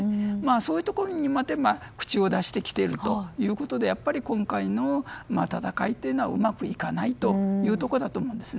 そういうところにまで口を出してきているということでやっぱり今回の戦いはうまくいかないというところだと思います。